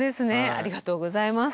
ありがとうございます。